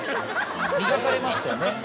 磨かれましたよね。